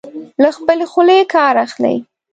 له خپلې خولې کار اخلي.